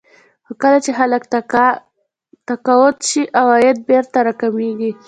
خو کله چې خلک تقاعد شي عواید بېرته راکمېږي